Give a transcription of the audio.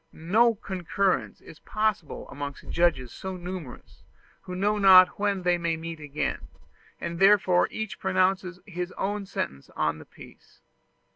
No concurrence is possible amongst judges so numerous, who know not when they may meet again; and therefore each pronounces his own sentence on the piece.